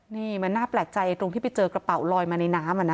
นี่มันน่าแปลกใจตรงที่ไปเจอกระเป๋าลอยมาในน้ำ